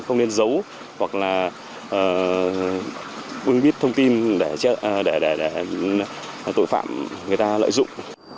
không nên giấu hoặc là uống biết thông tin để tội phạm người ta lợi dụng